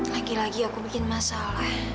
lagi lagi aku bikin masalah